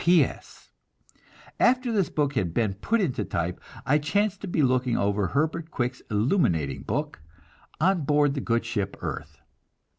P. S. After this book had been put into type, I chanced to be looking over Herbert Quick's illuminating book, "On Board the Good Ship Earth."